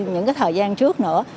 những thời gian trước nữa